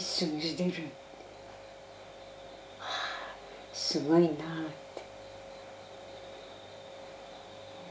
はあすごいなって。